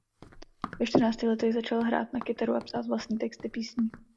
Ve čtrnácti letech začal hrát na kytaru a psát vlastní texty písní.